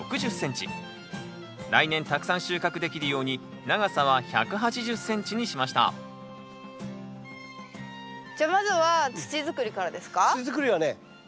来年たくさん収穫できるように長さは１８０ｃｍにしましたじゃあまずは土づくりからですか？